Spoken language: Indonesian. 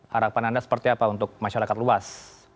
harapan anda seperti apa untuk masyarakat luas